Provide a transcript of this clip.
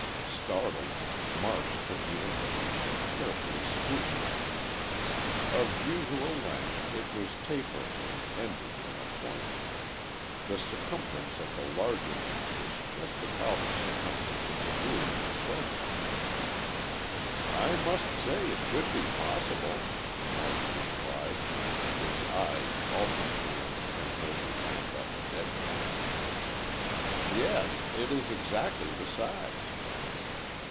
Startled, Marsh took the implement and carefully scrutinized it. Of usual length, it was tapering and ended in a point. The circumference at the larger end was just about the circumference of the wound in question. "I must say it could be possible," Marsh replied, his eyes alternately on the penholder and on the dead man. "Yes, it is exactly the size."